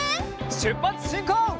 しゅっぱつしんこう！